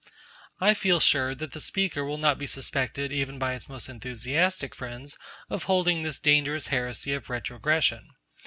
I feel sure the Speaker will not be suspected even by its most enthusiastic friends of holding this dangerous heresy of retrogression.